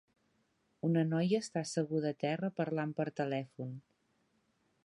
Una noia està asseguda a terra parlant per telèfon.